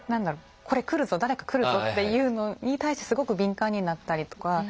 これ来るぞ誰か来るぞっていうのに対してすごく敏感になったりとか。